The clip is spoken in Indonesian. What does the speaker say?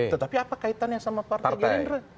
tetapi apa kaitannya sama partai gerindra